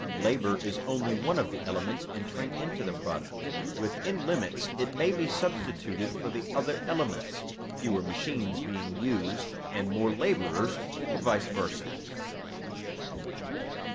Labor is only one of the elements entering into the product. Within limits it may be substituted for the other elements, fewer machines being used and more laborers, or vice versa.